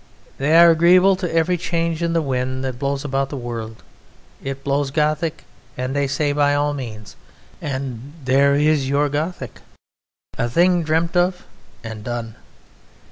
They are agreeable to every change in the wind that blows about the world. It blows Gothic, and they say 'By all means' and there is your Gothic a thing dreamt of and done!